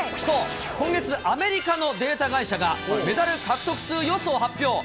そう、今月アメリカのデータ会社が、メダル獲得数予想を発表。